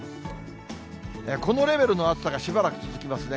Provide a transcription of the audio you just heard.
このレベルの暑さがしばらく続きますね。